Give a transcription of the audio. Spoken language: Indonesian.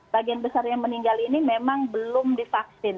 bagian besar yang meninggal ini memang belum divaksin